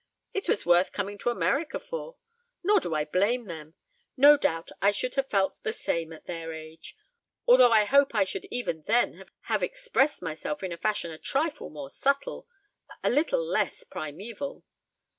It was worth coming to America for. Nor do I blame them. No doubt I should have felt the same at their age although I hope I should even then have expressed myself in a fashion a trifle more subtle, a little less primeval."